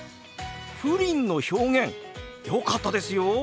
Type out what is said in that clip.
「プリン」の表現よかったですよ！